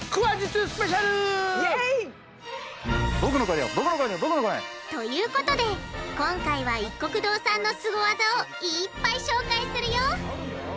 いぇい！ということで今回はいっこく堂さんのスゴ技をいっぱい紹介するよ！